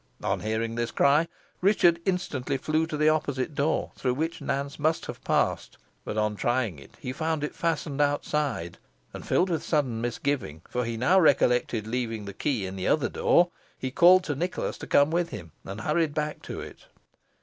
On hearing this cry, Richard instantly flew to the opposite door, through which Nance must have passed, but on trying it he found it fastened outside; and filled with sudden misgiving, for he now recollected leaving the key in the other door, he called to Nicholas to come with him, and hurried back to it.